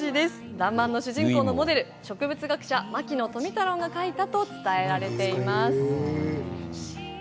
「らんまん」主人公のモデル植物学者、牧野富太郎が書いたと伝えられています。